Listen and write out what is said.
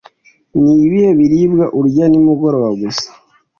nibihe biribwa urya nimugoroba gusa?